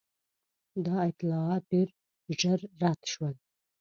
دا اطلاعات ډېر ژر رد شول.